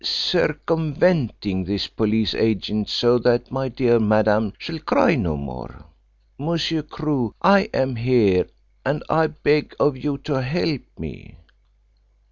circumventing this police agent so that my dear Madame shall cry no more. Monsieur Crewe, I am here, and I beg of you to help me."